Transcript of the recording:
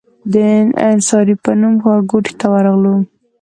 د انصاري په نوم ښارګوټي ته ورغلو.